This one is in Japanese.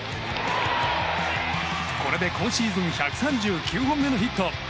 これで今シーズン１３９本目のヒット。